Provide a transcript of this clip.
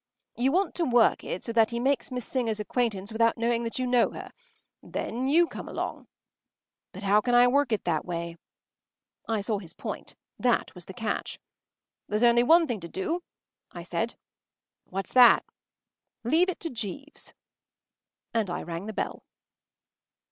“You want to work it so that he makes Miss Singer’s acquaintance without knowing that you know her. Then you come along——” “But how can I work it that way?” I saw his point. That was the catch. “There’s only one thing to do,” I said. “What’s that?” “Leave it to Jeeves.” And I rang the bell.